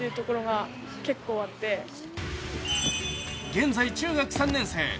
現在中学３年生。